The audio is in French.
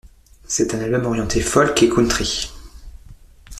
C'est un album orienté folk et country.